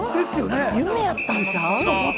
夢やったんちゃう？